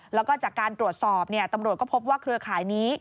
แล้วก็จากการตรวจสอบตำรวจก็พบว่าเครือข่ายนี้